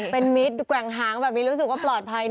เป็นมิตรแกว่งหางแบบนี้รู้สึกว่าปลอดภัย